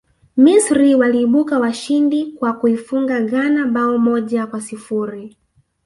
misri waliibuka washindi kwa kuifunga ghana bao moja kwa sifuri